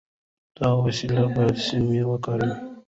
دا وسیله باید سمه وکاروو.